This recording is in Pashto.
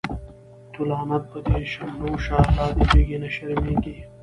تو لعنت په دی شملو شه، لا دی جګی نه شرميږی